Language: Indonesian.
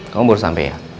kamu baru sampai ya